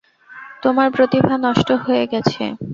তোমার প্রতিভা নষ্ট হয়ে গেছে।